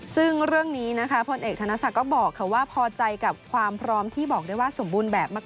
ซึ่งเรื่องนี้นะคะพลเอกธนศักดิ์ก็บอกว่าพอใจกับความพร้อมที่บอกได้ว่าสมบูรณ์แบบมาก